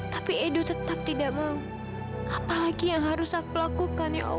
sampai jumpa di video selanjutnya